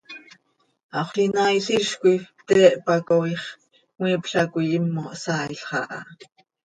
Haxöl inaail hizcoi pte hpacooix, cmiipla coi himo hsaailx aha.